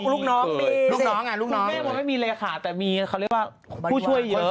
ลูกน้องอ่ะลูกน้องอ่ะคุณแม่ว่าไม่มีเลยค่ะแต่มีเขาเรียกว่าผู้ช่วยเยอะ